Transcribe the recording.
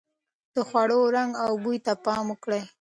د خوړو رنګ او بوی ته پام وکړئ.